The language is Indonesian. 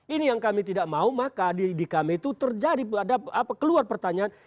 ini yang kami tidak mau maka di kami itu terjadi keluar pertanyaan